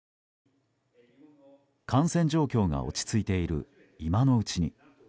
感染状況が落ち着いてる今のうちに。